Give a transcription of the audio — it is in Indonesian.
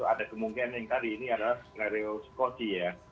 ada kemungkinan yang tadi ini adalah skorio skorio ya